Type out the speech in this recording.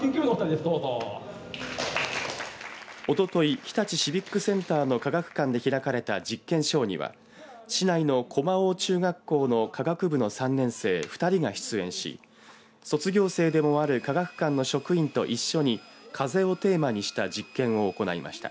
おととい日立シビックセンターの科学館で開かれた実験ショーには市内の駒王中学校の科学部の３年生、２人が出演し卒業生でもある科学館の職員と一緒に、風をテーマにした実験を行いました。